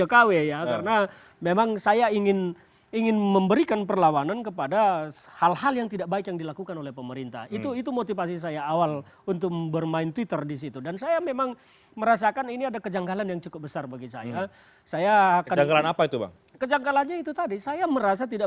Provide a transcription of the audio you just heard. fahri meminta twitter untuk tidak berpolitik